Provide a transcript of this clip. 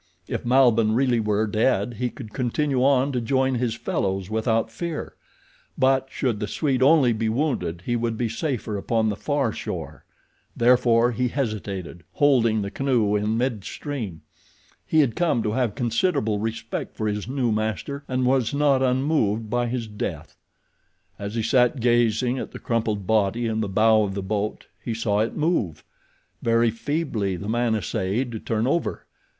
If Malbihn really were dead he could continue on to join his fellows without fear; but should the Swede only be wounded he would be safer upon the far shore. Therefore he hesitated, holding the canoe in mid stream. He had come to have considerable respect for his new master and was not unmoved by his death. As he sat gazing at the crumpled body in the bow of the boat he saw it move. Very feebly the man essayed to turn over.